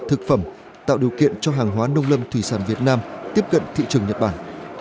thực phẩm tạo điều kiện cho hàng hóa nông lâm thủy sản việt nam tiếp cận thị trường nhật bản